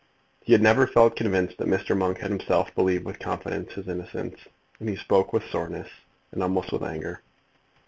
He had never felt convinced that Mr. Monk had himself believed with confidence his innocence, and he spoke with soreness, and almost with anger.